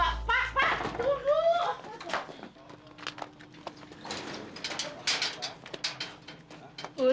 pak pak pak tunggu dulu